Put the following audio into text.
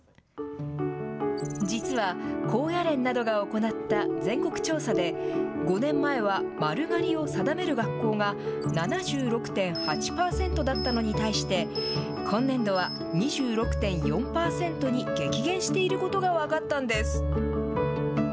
実は高野連などが行った全国調査で５年前は丸刈りを定める学校が７６．８パーセントだったのに対して今年度は２６．４パーセントに激減していることが分かったんです。